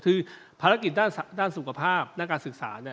คือภารกิจด้านสุขภาพด้านการศึกษา